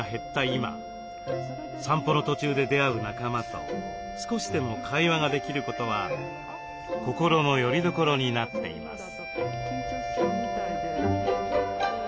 今散歩の途中で出会う仲間と少しでも会話ができることは心のよりどころになっています。